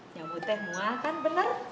nyamud teh mual kan bener